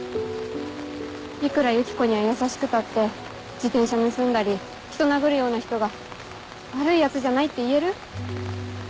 いくらユキコには優しくたって自転車盗んだり人殴るような人が悪いヤツじゃないって言える？